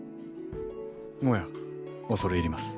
おや恐れ入ります。ます。